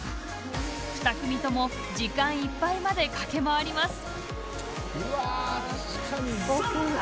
２組とも時間いっぱいまで駆け回ります。